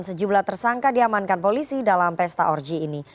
sejumlah tersangka diamankan polisi dalam pesta orji ini